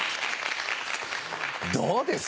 どうです？